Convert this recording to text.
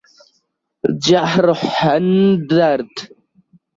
Jahrhundert.